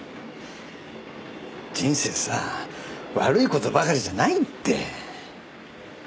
人生さ悪い事ばかりじゃないって。